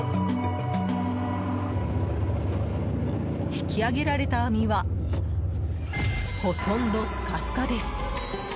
引き揚げられた網はほとんどスカスカです。